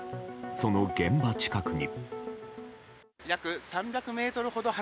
その現場近くに。